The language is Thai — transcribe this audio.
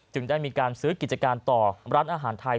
ได้มีการซื้อกิจการต่อร้านอาหารไทย